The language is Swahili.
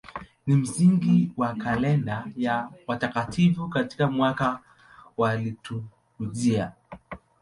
Ni msingi wa kalenda ya watakatifu katika mwaka wa liturujia.